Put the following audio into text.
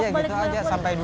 iya gitu aja sampai dua jam